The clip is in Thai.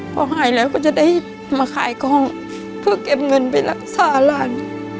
พอหายแล้วก็จะได้มาขายกล้องเพื่อเก็บเงินไปรักษาหลาน